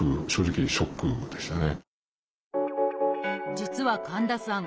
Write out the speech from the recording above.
実は神田さん